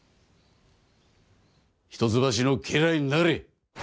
一橋の家来になれ。